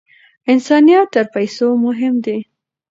انسانیت تر پیسو مهم دی.